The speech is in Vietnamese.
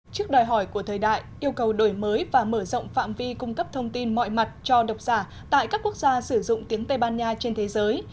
trước đòi hỏi của thời đại yêu cầu đổi mới và mở rộng phạm vi cung cấp thông tin mọi mặt cho độc giả tại các quốc gia sử dụng tiếng tây ban nha trên thế giới